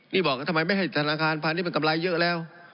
นี่บอกทำไมไม่ให้ธนาคารพาณิชมันกำไรเยอะแล้ว